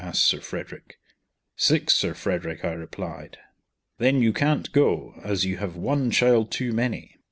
asked Sir Frederick. "Six, Sir Frederick," I replied. "Then you can't go, as you have one child too many.